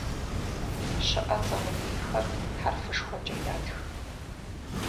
Щыӏэцӏэ унейхэр хьэрфышхуэкӏэ ятх.